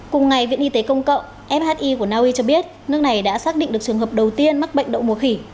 cùng ngày viện y tế công cộng fi của naui cho biết nước này đã xác định được trường hợp đầu tiên mắc bệnh đậu mùa khỉ